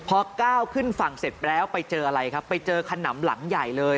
พอก้าวขึ้นฝั่งเสร็จแล้วไปเจออะไรครับไปเจอขนำหลังใหญ่เลย